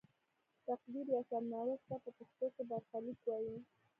تقدیر یا سرنوشت ته په پښتو کې برخلیک وايي.